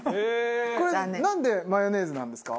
これなんでマヨネーズなんですか？